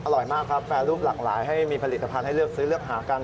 อร่อยมากครับแปรรูปหลากหลายให้มีผลิตภัณฑ์ให้เลือกซื้อเลือกหากัน